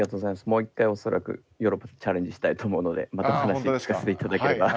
もう一回恐らくヨーロッパでチャレンジしたいと思うのでまた話聞かせて頂ければ。